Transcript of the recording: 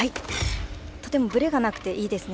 とてもぶれがなくていいですね。